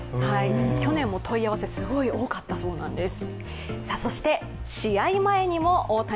去年も問い合わせ、すごい多かったそうなんです。